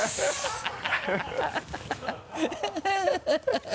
ハハハ